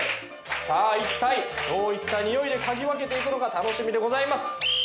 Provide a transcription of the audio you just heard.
さあ一体どういったにおいで嗅ぎ分けていくのか楽しみでございます。